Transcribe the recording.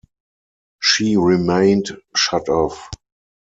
She remained shut off.